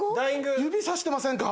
指さしてませんか？